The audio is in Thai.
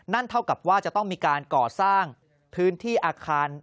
เท่ากับว่าจะต้องมีการก่อสร้างพื้นที่อาคาร